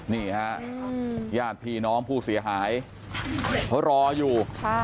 นี่ฮะญาติพี่น้องผู้เสียหายเขารออยู่